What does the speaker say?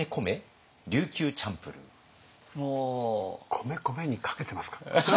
「米」「こめ」にかけてますか？